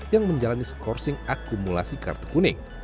yang menjalani skorsing akumulasi kartu kuning